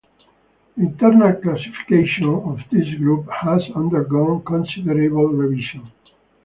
The internal classification of this group has undergone considerable revision.